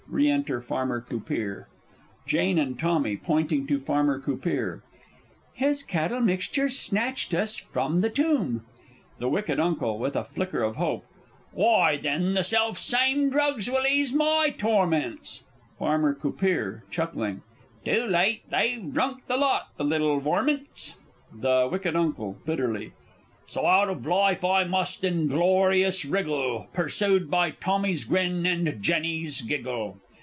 [Re enter Farmer C. Jane and Tommy (pointing to Farmer C.) His Cattle Mixtures snatched us from the tomb! The W. U. (with a flicker of hope). Why, then the self same drugs will ease my torments! Farmer C. Too late! they've drunk the lot, the little vormints! The W. U. (bitterly). So out of life I must inglorious wriggle, Pursued by Tommy's grin, and Jenny's giggle!